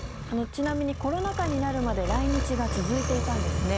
ちなみにコロナ禍になるまで来日が続いていたんですね。